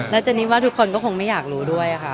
เจนี่ว่าทุกคนก็คงไม่อยากรู้ด้วยค่ะ